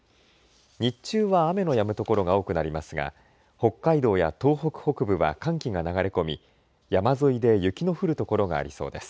日中は雨のやむ所が多くなりますが北海道や東北北部は寒気が流れ込み山沿いで雪の降る所がありそうです。